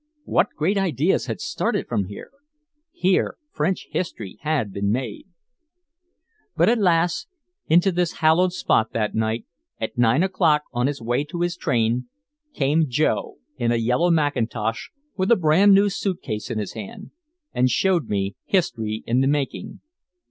What great ideas had started from here! Here French history had been made! But alas! Into this hallowed spot that night, at nine o'clock on his way to his train, came Joe in a yellow mackintosh with a brand new suitcase in his hand and showed me history in the making.